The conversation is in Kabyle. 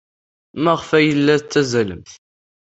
Maɣef ay la tettazzalem?